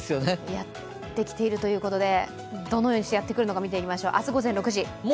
やってきているということで、どのようにしてやってくるのか見てみましょう。